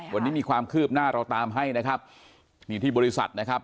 วันนี้มีความคืบหน้าเราตามให้นะครับนี่ที่บริษัทนะครับ